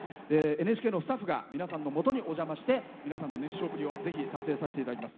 ＮＨＫのスタッフが皆様のもとにお邪魔してパフォーマンスを撮影させていただきます。